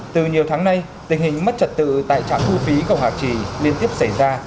từ nhiều tháng nay tình hình mất trật tự tại trạm thu phí cầu hạ trì liên tiếp xảy ra